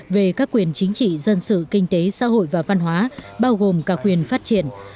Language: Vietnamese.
về các quyền chính trị dân sự kinh tế xã hội và văn hóa bao gồm cả quyền phát triển